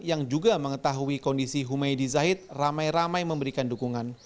yang juga mengetahui kondisi humaydi zahid ramai ramai memberikan dukungan